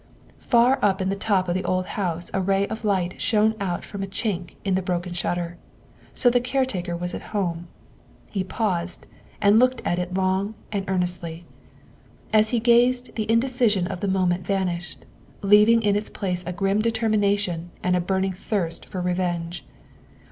Far up in the top of the old house a ray of light shone out from a chink in the broken shutter. So the caretaker was at home. He paused and looked at it long and earnestly. As he gazed the indecision of the moment vanished, leaving in its place a grim determination and a burn ing thirst for revenge.